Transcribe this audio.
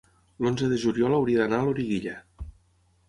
L'onze de juliol hauria d'anar a Loriguilla.